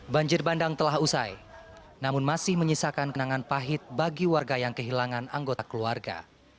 banjir bandang telah usai namun masih menyisakan kenangan pahit bagi warga yang kehilangan anggota keluarga